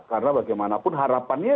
karena bagaimanapun harapannya